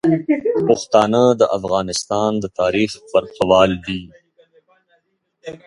پښتانه د افغانستان د تاریخ برخوال دي.